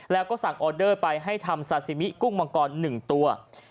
แล้วก็สั่งออเดอร์ไปให้ทำซาซิมิกุ้งมังกร๑ตัว